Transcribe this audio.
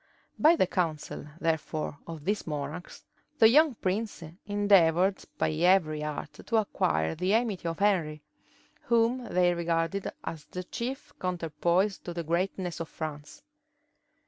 By the counsel, therefore, of these monarchs, the young prince endeavored by every art to acquire the amity of Henry, whom they regarded as the chief counterpoise to the greatness of France.